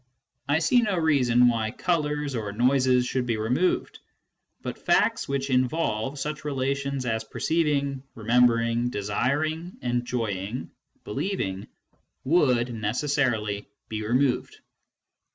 I see no reason why colors or noises should be removed, but facts which involve such relations as perceiving, remembering, desiring, enjoying, be lieving would necessarily be removed.